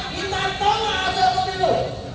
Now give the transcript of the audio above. kita tolak hasil pemilu